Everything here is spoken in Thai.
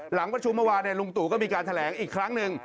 หลังประชุมเมื่อวานลุงตู่ก็มีการแถลงอีกครั้งหนึ่ง